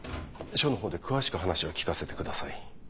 署のほうで詳しく話を聞かせてください。